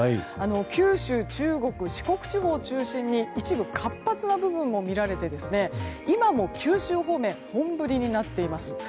九州、中国・四国地方を中心に一部活発な部分も見られて今も九州方面本降りになっています。